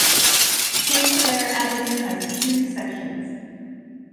Saint Clair Avenue has two sections.